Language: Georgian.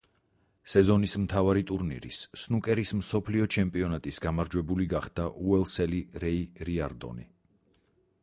სეზონის მთავარი ტურნირის, სნუკერის მსოფლიო ჩემპიონატის გამარჯვებული გახდა უელსელი რეი რიარდონი.